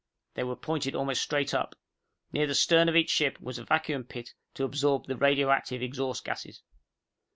They were pointed almost straight up. Near the stern of each ship was a vacuum pit to absorb the radioactive exhaust gases.